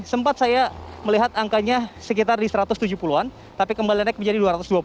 sempat saya melihat angkanya sekitar di satu ratus tujuh puluh an tapi kembali naik menjadi dua ratus dua puluh